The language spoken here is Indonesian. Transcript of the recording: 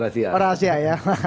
masih rahasia ya